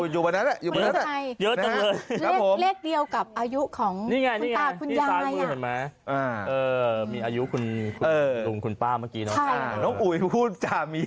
เห็นไหม